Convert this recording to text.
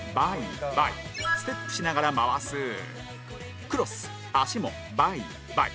ステップしながら回すクロス足もバイバイ